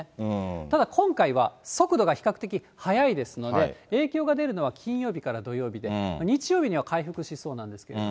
ただ今回は、速度が比較的速いですので、影響が出るのは金曜日から土曜日で、日曜日には回復しそうなんですけれども。